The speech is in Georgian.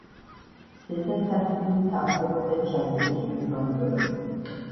ზედა სართული მთავრდებოდა ჩაზნექილი ფრონტონით.